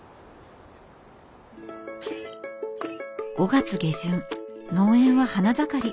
５月下旬農園は花盛り。